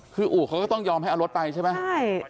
คืออู่เขาก็ต้องยอมให้เอารถไปใช่ไหมใช่